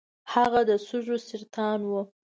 هغه د سږو سرطان و .